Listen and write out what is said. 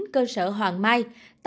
cơ sở hoàng mai